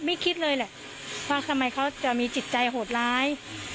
คิดเลยแหละว่าทำไมเขาจะมีจิตใจโหดร้าย